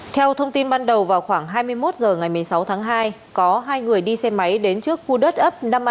theo thông tin ban đầu vào khoảng hai mươi một h ngày một mươi sáu tháng hai có hai người đi xe máy đến trước khu đất ấp năm a